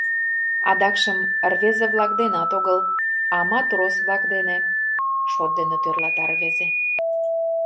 Адакшым, рвезе-влак денат огыл, а матрос-влак дене, — шот дене тӧрлата рвезе.